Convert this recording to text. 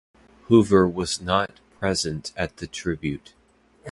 Hoover was not present at this tribute.